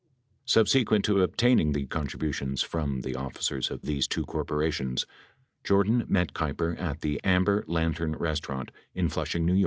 Subsequent to obtaining the contributions from the officers of these two corporations, Jordan met Keiper at the Amber Lantern Restau rant in Flushing, N.Y.